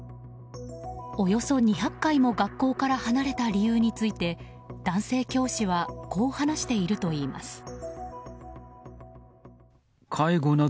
およそ２００回も学校から離れた理由について男性教師はこう話しているといいます。